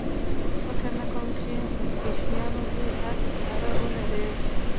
فکر نه کوم چې اتریشیان دې اس سپاره ولري.